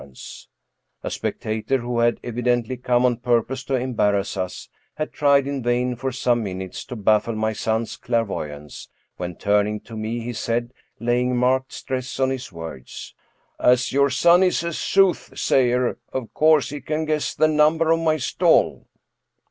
ai7 Tme Stories of Modern Magic A spectator, who had evidently come on purpose to em barrass us, had tried in vain for some minutes to baffle my son's clairvoyance, when, turning to me, he said, laying marked stress on his words: " As your son is a soothsayer, of course he can guess the number of my stall?"